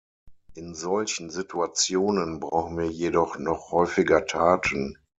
In solchen Situationen brauchen wir jedoch noch häufiger Taten.